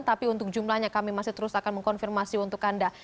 tapi untuk jumlahnya kami masih terus akan mengkonfirmasi untuk anda